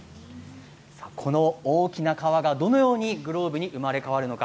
この大きな革が、どのようにグローブに生まれ変わるのか。